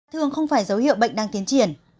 thường không phải dấu hiệu bệnh đang tiến triển